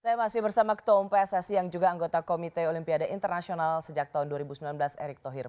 saya masih bersama ketua umum pssi yang juga anggota komite olimpiade internasional sejak tahun dua ribu sembilan belas erick thohir